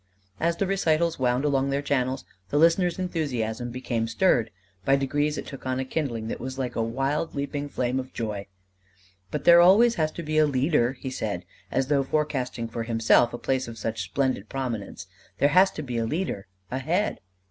As the recitals wound along their channels, the listener's enthusiasm became stirred: by degrees it took on a kindling that was like a wild leaping flame of joy. "But there always has to be a leader," he said, as though forecasting for himself a place of such splendid prominence. "There has to be a leader, a head."